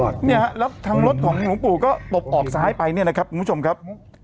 เนี่ยแล้วทางรถของหลวงปู่ก็ตบออกซ้ายไปเนี่ยนะครับคุณผู้ชมครับ